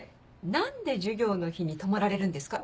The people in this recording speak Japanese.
何で授業の日に泊まられるんですか？